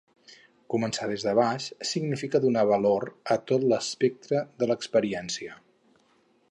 Començar des de baix significa donar valor a tot l'espectre de l'experiència.